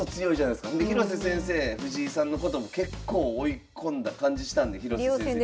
広瀬先生藤井さんのことも結構追い込んだ感じしたんで。